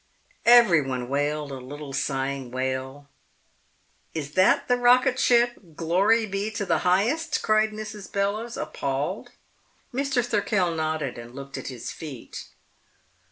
Everyone wailed a little sighing wail. "Is that the rocket ship Glory Be to the Highest?" cried Mrs. Bellowes, appalled. Mr. Thirkell nodded and looked at his feet.